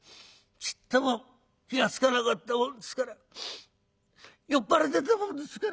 ちっとも気が付かなかったもんですから酔っ払ってたものですから。